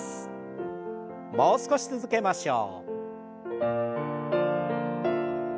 もう少し続けましょう。